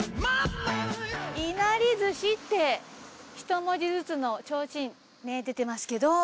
いなり寿司って一文字ずつの提灯出てますけど。